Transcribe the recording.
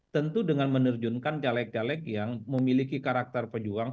tentu dengan menerjunkan caleg caleg yang memiliki karakter pejuang